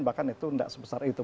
bahkan itu tidak sebesar itu